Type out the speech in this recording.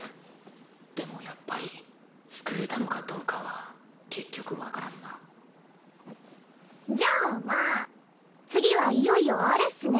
でもやっぱり救えたのかどうかはじゃあまあ次はいよいよあれっスね。